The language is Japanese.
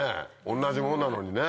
同じものなのにね。